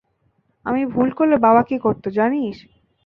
আমি ভুল করলে বাবা কী করত, জানিস?